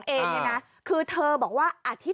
การนอนไม่จำเป็นต้องมีอะไรกัน